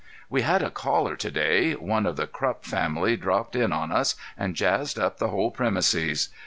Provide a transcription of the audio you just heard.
We had a caller to day. One of the Krupp family dropped in on us and jazzed up the whole premises.